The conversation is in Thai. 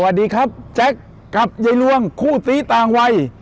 สวัสดีครับแจ็คกับยายลวงคู่สีต่างวัย